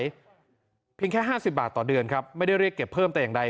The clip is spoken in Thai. เพียงแค่๕๐บาทต่อเดือนครับไม่ได้เรียกเก็บเพิ่มแต่อย่างใด